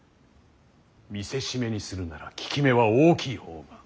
見せしめにするなら効き目は大きい方が。